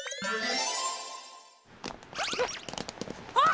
あっ！